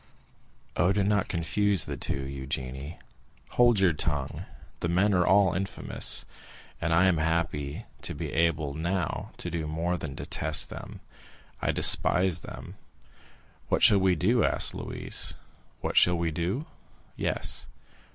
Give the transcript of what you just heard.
"Oh, do not confound the two, Eugénie." "Hold your tongue! The men are all infamous, and I am happy to be able now to do more than detest them—I despise them." "What shall we do?" asked Louise. "What shall we do?" "Yes."